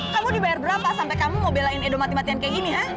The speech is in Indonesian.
kamu dibayar berapa sampai kamu mau belain edo mati matian kayak gini ya